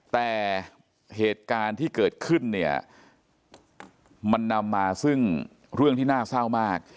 แต่เหตุการณ์ที่เกิดขึ้นเนี่ยมันนำมาซึ่งเรื่องที่น่าเศร้ามาก